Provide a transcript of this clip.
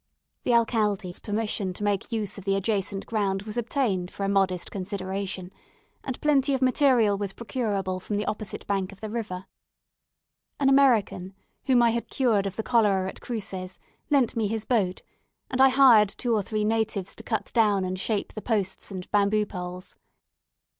The alcalde's permission to make use of the adjacent ground was obtained for a moderate consideration, and plenty of material was procurable from the opposite bank of the river. An American, whom I had cured of the cholera at Cruces, lent me his boat, and I hired two or three natives to cut down and shape the posts and bamboo poles.